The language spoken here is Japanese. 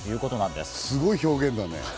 すごい表現だね。